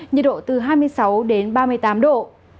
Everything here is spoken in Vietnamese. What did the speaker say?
nhiệt độ từ hai mươi sáu đến ba mươi tám độ